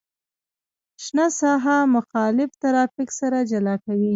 شنه ساحه مخالف ترافیک سره جلا کوي